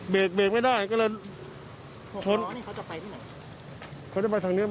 ผมเกือบโดนนิดนึงอะ